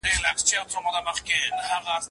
موږ بايد د پرمختيا ټول عوامل په پام کې ونيسو.